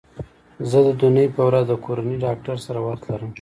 زه د دونۍ په ورځ د کورني ډاکټر سره وخت لرم